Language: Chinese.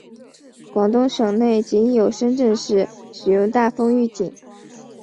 广东省内仅有深圳市使用大风预警。